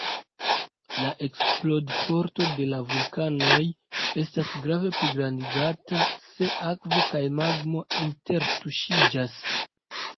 La eksplodforto de la vulkanoj estas grave pligrandigata, se akvo kaj magmo intertuŝiĝas.